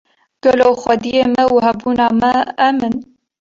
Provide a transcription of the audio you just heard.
Gelo xwedyê me û hebûna me em in